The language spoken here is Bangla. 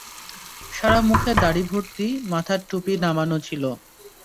সারা মুখে দাঁড়ি ভর্তি, মাথার টুপি নামানো ছিলো।